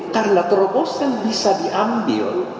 karena terobosan bisa diambil